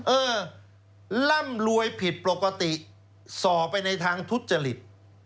เออร่ำรวยผิดปกติส่อไปในทางทุจริต